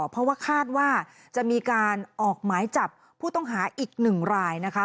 เพราะว่าคาดว่าจะมีการออกหมายจับผู้ต้องหาอีกหนึ่งรายนะคะ